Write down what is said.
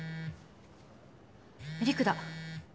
陸だ！